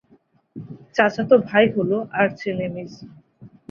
চাচাত ভাই হ'ল আর্চেনেমিজ।